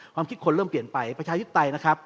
ความคิดคนเริ่มเปลี่ยนไปประชาธิปไตยนะครับ